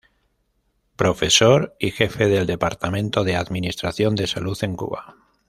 Profesor y Jefe del Departamento de Administración de Salud, en Cuba.